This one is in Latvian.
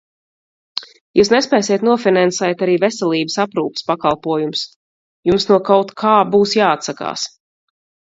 Jūs nespēsiet nofinansēt arī veselības aprūpes pakalpojumus, jums no kaut kā būs jāatsakās.